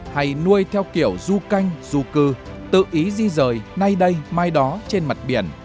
hay nuôi theo kiểu du canh du cư tự ý di rời nay đây mai đó trên mặt biển